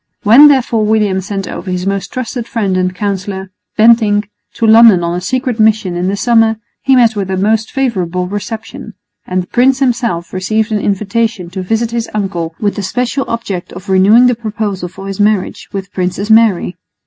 When, therefore, William sent over his most trusted friend and counsellor, Bentinck, to London on a secret mission in the summer, he met with a most favourable reception; and the prince himself received an invitation to visit his uncle with the special object of renewing the proposal for his marriage with the Princess Mary.